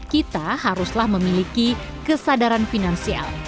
kita haruslah memiliki kesadaran finansial